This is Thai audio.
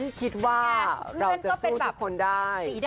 คิดว่าเราจะสู้ทุกคนได้